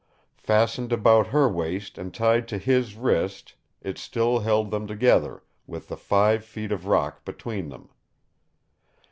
Fastened about her waist and tied to his wrist, it still held them together with the five feet of rock between them.